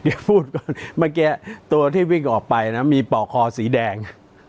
เดี๋ยวพูดก่อนเมื่อกี้ตัวที่วิ่งออกไปนะมีปอกคอสีแดง